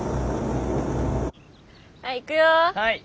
はいいくよ。